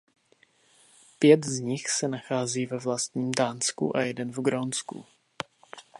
Pět z nich se nachází ve vlastním Dánsku a jeden v Grónsku.